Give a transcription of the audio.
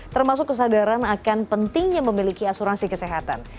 termasuk kesadaran akan pentingnya memiliki asuransi kesehatan